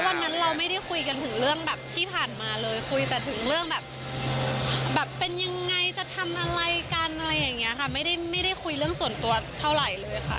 วันนั้นเราไม่ได้คุยกันถึงเรื่องแบบที่ผ่านมาเลยคุยแต่ถึงเรื่องแบบเป็นยังไงจะทำอะไรกันอะไรอย่างนี้ค่ะไม่ได้คุยเรื่องส่วนตัวเท่าไหร่เลยค่ะ